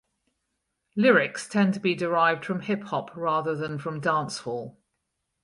Lyrics tend to be derived from hip hop rather than from dancehall.